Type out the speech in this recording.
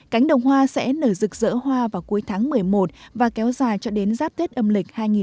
cánh đồng hoa sẽ nở rực rỡ hoa vào cuối tháng một mươi một và kéo dài cho đến giáp tuyết âm lịch hai nghìn hai mươi